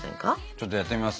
ちょっとやってみます？